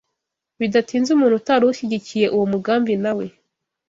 bidatinze, umuntu utari ushyigikiye uwo mugambi na we